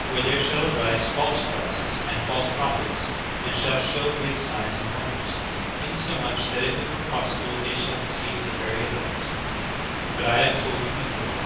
For there shall arise false Christs and false prophets, and shall shew great signs and wonders; insomuch that if it were possible they shall deceive the very elect. Behold I have told you before.